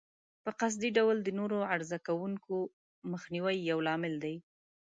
په قصدي ډول د نورو عرضه کوونکو مخنیوی یو لامل دی.